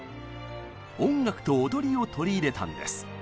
「音楽と踊り」を取り入れたんです。